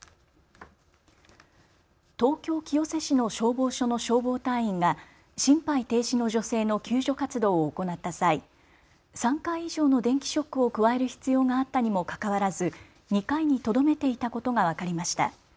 東京清瀬市の消防署の消防隊員が心肺停止の女性の救助活動を行った際、３回以上の電気ショックを加える必要があったにもかかわらず２回にとどめていたことが分かりました。